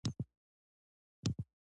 هغوی د ژمنې په بڼه رڼا سره ښکاره هم کړه.